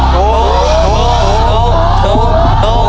ถูกหูป